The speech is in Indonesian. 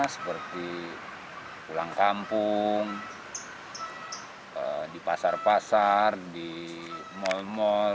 seperti pulang kampung di pasar pasar di mal mal